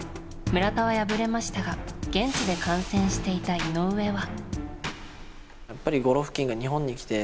村田は敗れましたが現地で観戦していた井上は。